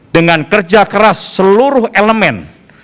dengan kerja keras seluruh elemen